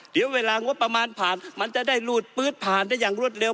เดี๋ยวเวลางบประมาณผ่านมันจะได้รูดปื๊ดผ่านได้อย่างรวดเร็